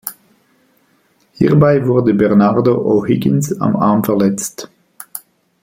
Hierbei wurde Bernardo O’Higgins am Arm verletzt.